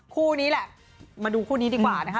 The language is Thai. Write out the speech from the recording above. คู่นี้แหละมาดูคู่นี้ดีกว่านะคะ